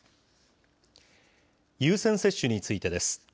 優先接種についてです。